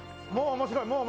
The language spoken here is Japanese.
もう面白い。